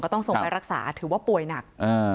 ต้องส่งไปรักษาถือว่าป่วยหนัก